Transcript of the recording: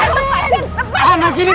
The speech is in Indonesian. lepaskan tepaskan tepaskan